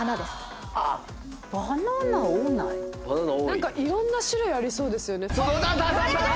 何かいろんな種類ありそうですよね。